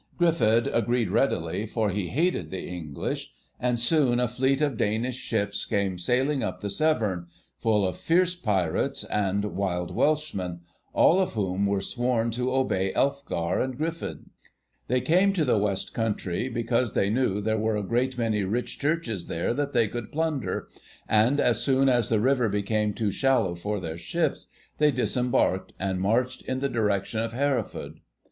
Gruffydd agreed readily, for he hated the English, and soon a fleet of Danish ships came sailing up the Severn, full of fierce pirates and wild Welshmen, all of whom were sworn to obey Elfgar and Gruffydd. They came to the West Country because they knew there were a great many rich churches there that they could plunder, and as soon as the river became too shallow for their ships, they disembarked, and marched in the direction of Hereford.